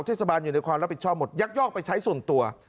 เทศบาลอยู่ในความรับผิดชอบหมดยักยอกไปใช้ส่วนตัว